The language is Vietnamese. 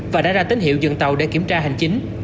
và đã ra tín hiệu dừng tàu để kiểm tra hành chính